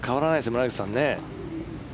村口さん。